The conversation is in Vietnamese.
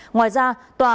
ngoài ra tòa